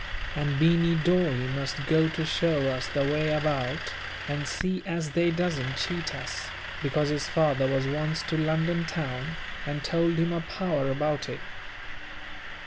And Beany Dawe must go to show us the way about, and see as they doesn't cheat us, because his father was once to London town, and told him a power about it.